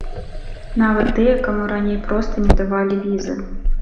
Нават тыя, каму раней проста не давалі візы.